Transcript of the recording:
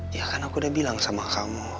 ya kan aku udah bilang sama kamu